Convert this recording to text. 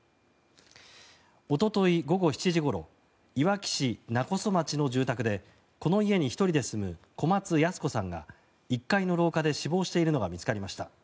おととい午後７時ごろいわき市勿来町の住宅でこの家に１人で住む小松ヤス子さんが１階の廊下で死亡しているのが見つかりました。